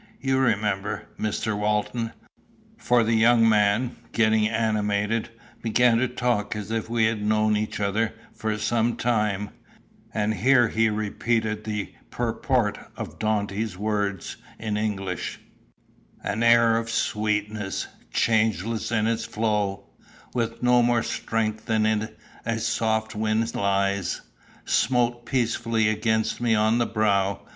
You remember, Mr. Walton?" for the young man, getting animated, began to talk as if we had known each other for some time and here he repeated the purport of Dante's words in English: "An air of sweetness, changeless in its flow, With no more strength than in a soft wind lies, Smote peacefully against me on the brow.